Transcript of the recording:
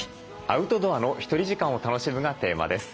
「アウトドアのひとり時間を楽しむ」がテーマです。